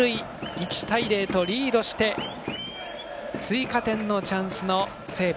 １対０とリードして追加点のチャンスの西武。